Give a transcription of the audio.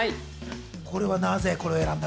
これはなぜ？